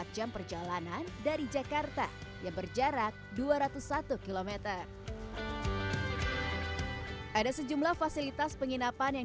empat jam perjalanan dari jakarta yang berjarak dua ratus satu km ada sejumlah fasilitas penginapan yang